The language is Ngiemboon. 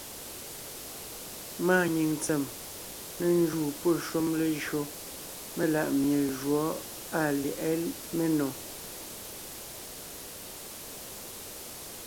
Máa nyìŋ tsèm ne njúu pɔ́ shúm léjÿo melaʼmie jǔɔ àa lyɛ̌ʼɛ ménò.